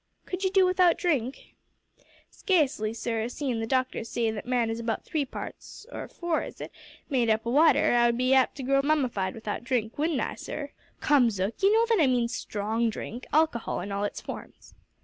"Could you do without drink?" "Sca'sely, sir, seein' the doctors say that man is about three parts or four, is it? made up o' water; I would be apt to grow mummified without drink, wouldn't I, sir?" "Come, Zook you know that I mean strong drink alcohol in all its forms."